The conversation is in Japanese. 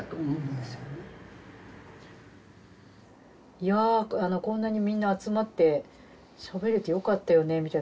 いやあこんなにみんな集まってしゃべれてよかったよねみたいな。